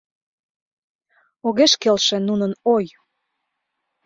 Огеш келше нунын ой.